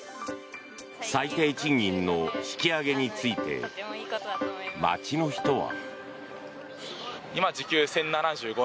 最低賃金の引き上げについて街の人は。